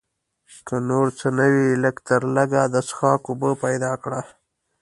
که نور څه نه وي لږ تر لږه د څښاک اوبه پیدا کړو.